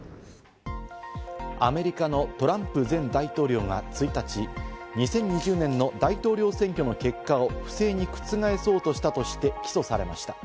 アメリカのトランプ前大統領が１日、２０２０年の大統領選挙の結果を不正に覆そうとしたとして起訴されました。